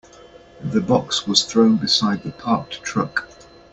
The box was thrown beside the parked truck.